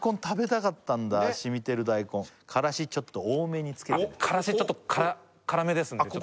染みてる大根からしちょっと多めにつけてからしちょっと辛めですあっ